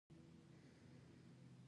وعده ولې باید ماته نشي؟